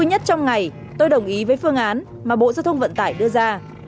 nhất trong ngày tôi đồng ý với phương án mà bộ giao thông vận tải đưa ra